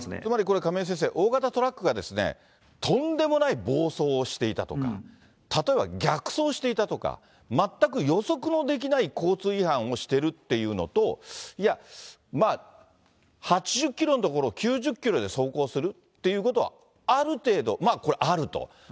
つまりこれ、亀井先生、大型トラックがとんでもない暴走をしていたとか、例えば逆走していたとか、全く予測のできない交通違反をしてるっていうのと、いや、８０キロのところを９０キロで走行するっていうことはある程度あると。